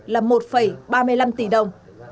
là một ba mươi năm tỷ đồng